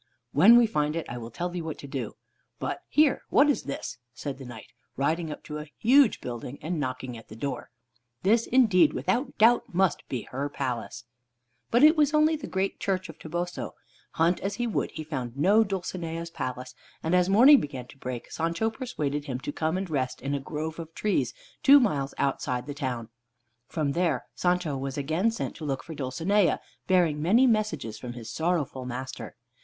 "When we find it, I will tell thee what to do. But, here! What is this?" said the Knight, riding up to a huge building, and knocking at the door. "This indeed, without doubt, must be her palace." But it was only the great Church of Toboso. Hunt as he would, he found no Dulcinea's palace, and as morning began to break, Sancho persuaded him to come and rest in a grove of trees two miles outside the town. From there Sancho was again sent to look for Dulcinea, bearing many messages from his sorrowful master.